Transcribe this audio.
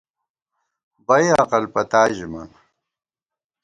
بئی عقل پتا ژِمان